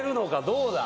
どうだ？